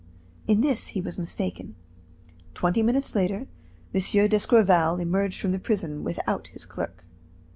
In this he was mistaken. Twenty minutes later, M. d'Escorval emerged from the prison without his clerk.